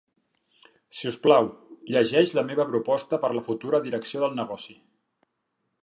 Si us plau, llegeix la meva proposta per la futura direcció del negoci.